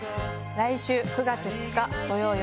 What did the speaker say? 来週９月２日土曜日夜１０時。